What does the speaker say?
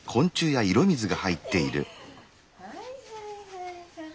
はいはいはいはい。